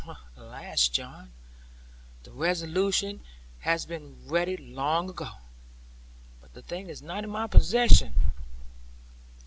'Alas, John, the resolution has been ready long ago. But the thing is not in my possession.